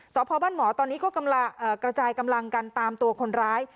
สพบ้านหมอตอนนี้ก็กำลังกระจายกำลังกันตามตัวคนร้าย